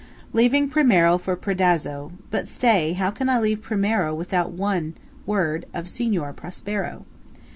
Leaving Primiero for Predazzo. ... but stay; how can I leave Primiero without one word of Signor Prospero?